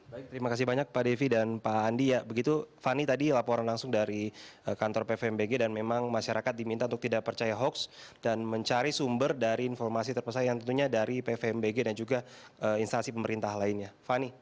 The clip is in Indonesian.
baik terima kasih banyak pak devi dan pak andi ya begitu fani tadi laporan langsung dari kantor pvmbg dan memang masyarakat diminta untuk tidak percaya hoax dan mencari sumber dari informasi terpesaing yang tentunya dari pvmbg dan juga instansi pemerintah lainnya